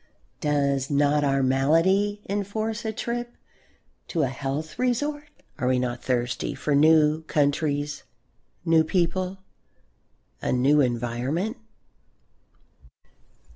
Does not our malady enforce a trip to a health resort? Are we not thirsty for new countries, new people, a new environment?